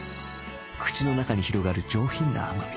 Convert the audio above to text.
口の中に広がる上品な甘み